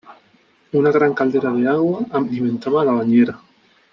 Una gran caldera de agua alimentaba la bañera.